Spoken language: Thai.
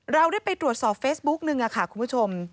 เราได้ไปตรวจสอบเฟซบุ๊กนึงค่ะคุณผู้ชม